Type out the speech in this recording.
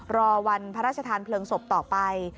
รอวันพระราชทานเพลิงศพต่อไป